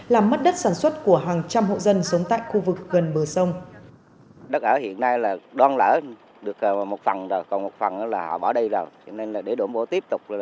làm mất đất sản xuất của hàng người